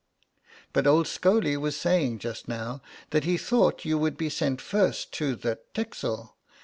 But old Scholey was saying just now that he thought you would be sent first to the 'Texel.'